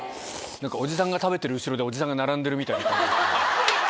おじさんが食べてる後ろでおじさんが並んでるみたいな感じですよね。